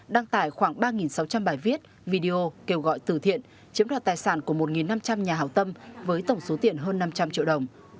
đăng tải khoảng ba sáu trăm linh bài viết video kêu gọi từ thiện chiếm đoạt tài sản của một năm trăm linh nhà hảo tâm với tổng số tiền hơn năm trăm linh triệu đồng